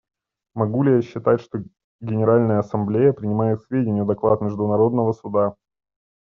Могу ли я считать, что Генеральная Ассамблея принимает к сведению доклад Международного Суда?